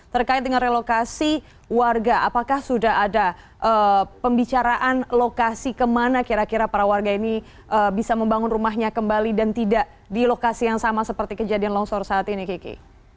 terkait dengan relokasi warga apakah sudah ada pembicaraan lokasi kemana kira kira para warga ini bisa membangun rumahnya kembali dan tidak di lokasi yang sama seperti kejadian longsor saat ini kiki